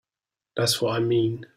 That's what I mean.